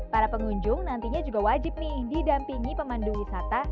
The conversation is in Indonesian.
para pengunjung nantinya juga wajib nih didampingi pemandu wisata